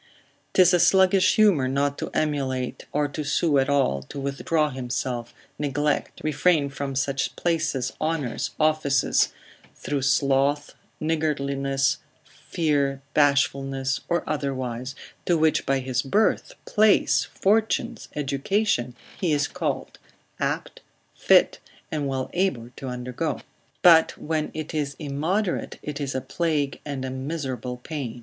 'Tis a sluggish humour not to emulate or to sue at all, to withdraw himself, neglect, refrain from such places, honours, offices, through sloth, niggardliness, fear, bashfulness, or otherwise, to which by his birth, place, fortunes, education, he is called, apt, fit, and well able to undergo; but when it is immoderate, it is a plague and a miserable pain.